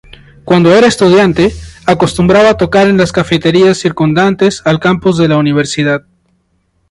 Cuando era estudiante, acostumbraba tocar en las cafeterías circundantes al campus de la universidad.